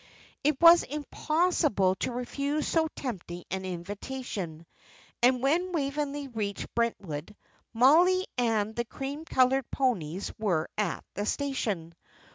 It was impossible to refuse so tempting an invitation; and when Waveney reached Brentwood Mollie and the cream coloured ponies were at the station.